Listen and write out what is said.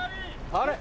あれ？